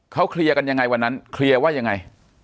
ปากกับภาคภูมิ